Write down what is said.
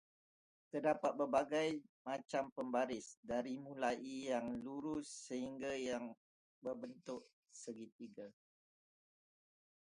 Terdapat berbagai macam pembaris, dari mulai yang lurus sehingga yang berbentuk segitiga.